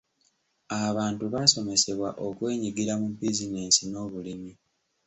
Abantu baasomesebwa okwenyigira mu bizinensi n'obulimi.